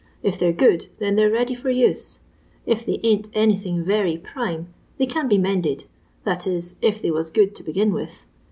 If they 're good, then they 're ready for use. If they ain't anything very prime, they can be mended — that is, if they was good to begin with.